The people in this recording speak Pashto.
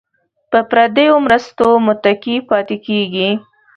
په پردیو مرستو متکي پاتې کیږي.